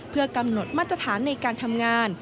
เพื่อกำหนดมาตรฐานในการทำงาน